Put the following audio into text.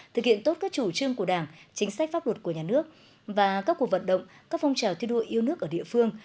thực hiện tốt các chủ trương của đảng chính sách pháp luật của nhà nước và các cuộc vận động các phong trào thi đua yêu nước ở địa phương